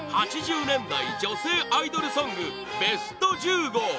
８０年代女性アイドルソングＢＥＳＴ１５